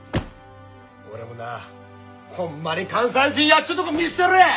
俺もなあほんまに関西人やっちゅうとこ見せたる！